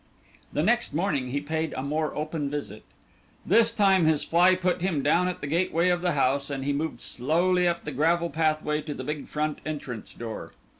The next morning he paid a more open visit. This time his fly put him down at the gateway of the house, and he moved slowly up the gravel pathway to the big front entrance door.